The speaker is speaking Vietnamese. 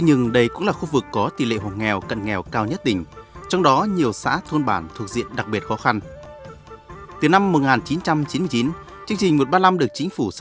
hãy đăng ký kênh để ủng hộ kênh của mình nhé